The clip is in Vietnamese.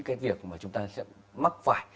cái việc mà chúng ta sẽ mắc phải